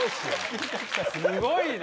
すごいな。